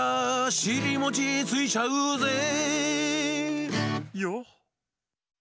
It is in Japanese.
「しりもちついちゃうぜ」ヨ？